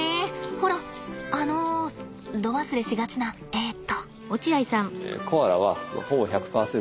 ほらあの度忘れしがちなえと。